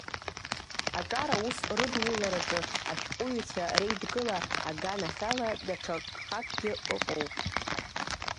Аҿар аус рыдулараҿы ашәҟәыҩҩцәа Реидгыла аганахьала даҽа гхакгьы ыҟоуп.